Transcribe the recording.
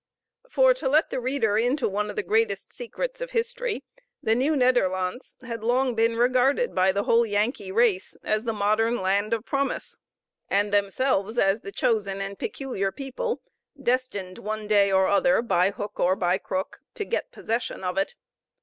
For, to let the reader into one of the greatest secrets of history, the Nieuw Nederlandts had long been regarded by the whole Yankee race as the modern land of promise, and themselves as the chosen and peculiar people destined, one day or other, by hook or by crook, to get possession of it.